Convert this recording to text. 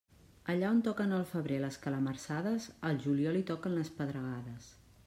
Allà on toquen al febrer les calamarsades, al juliol hi toquen les pedregades.